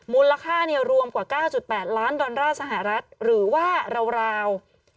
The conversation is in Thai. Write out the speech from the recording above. มูลค่ารวมกว่า๙๘ล้านดอลลาร์สหรัฐหรือว่าราว